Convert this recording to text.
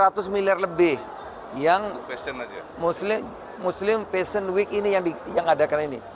rp tiga ratus miliar lebih yang muslim fashion week ini yang diadakan ini